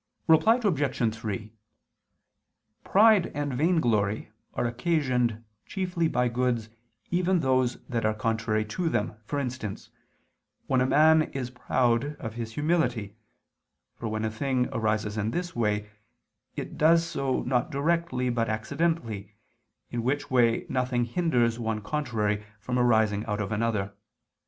Reply Obj. 3: Pride and vainglory are occasioned chiefly by goods even those that are contrary to them, for instance, when a man is proud of his humility: for when a thing arises in this way, it does so not directly but accidentally, in which way nothing hinders one contrary from arising out of another.